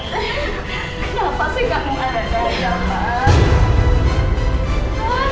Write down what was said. kenapa sih kamu ada jauh jauh mak